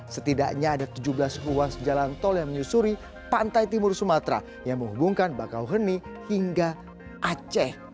setidaknya ada tujuh belas ruas jalan tol yang menyusuri pantai timur sumatera yang menghubungkan bakauheni hingga aceh